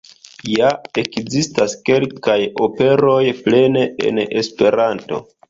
Ja ekzistas kelkaj operoj plene en Esperanto.